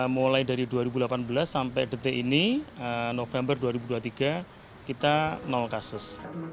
mulai dari dua ribu delapan belas sampai detik ini november dua ribu dua puluh tiga kita kasus